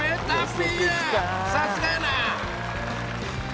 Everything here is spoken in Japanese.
さすがやな！